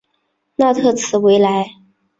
纳特兹维莱。